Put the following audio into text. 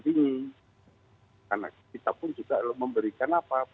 karena kita pun juga memberikan